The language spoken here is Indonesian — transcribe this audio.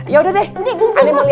ya udah deh ani mau liat yang lain